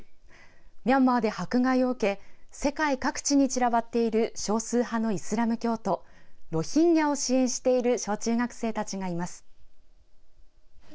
ミャンマーで迫害を受け世界各地に散らばっている少数派のイスラム教徒ロヒンギャを支援している小中学生たちがいます。